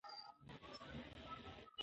افغانانو په پاني پت کې د حق لاره توره کړه.